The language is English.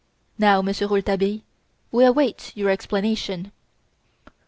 Now, Monsieur Rouletabille, we await your explanation."